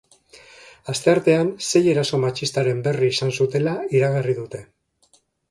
Asteartean sei eraso matxistaren berri izan zutela iragarri dute.